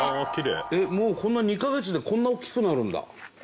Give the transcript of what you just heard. えっもうこんな２か月でこんな大きくなるんだ。